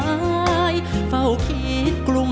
จะใช้หรือไม่ใช้ครับ